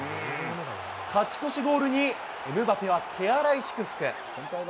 勝ち越しゴールにエムバペは手荒い祝福。